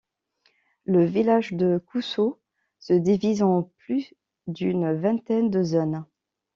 Le village de Cousso se divise en plus d'une vingtaine de zones.